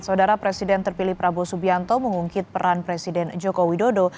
saudara presiden terpilih prabowo subianto mengungkit peran presiden joko widodo